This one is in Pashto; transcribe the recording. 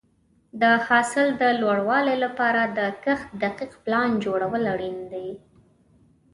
د حاصل د لوړوالي لپاره د کښت دقیق پلان جوړول اړین دي.